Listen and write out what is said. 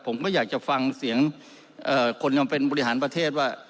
ผมก็อยากจะฟังเสียงคนยังเป็นบริหารประเทศว่า